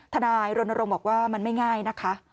ทนายรณรงค์บอกว่ามันไม่ง่ายนะคะ